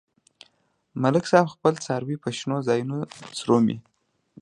ملک صاحب خپل څاروي په شنو ځایونو څرومي.